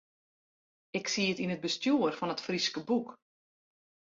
Ik siet yn it bestjoer fan It Fryske Boek.